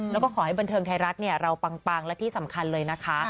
แล้วก็ขอให้บันเทิงไทยรัฐเราปังและที่สำคัญเลยนะคะ